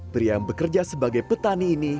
pria yang bekerja sebagai petani ini